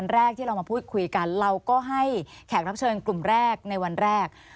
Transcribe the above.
เราก็ให้แขกรับเชิญกลุ่มแรกในวันแรก